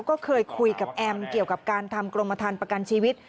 ก็เคยคุยกับแอมเกี่ยวกับการทำกรมฐานประกันชีวิต